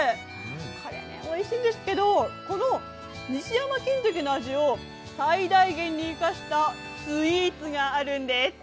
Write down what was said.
これもおいしいんですけど、この西山きんときの味を最大限に生かしたスイーツがあるんです。